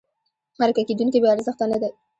مرکه کېدونکی بې ارزښته نه دی.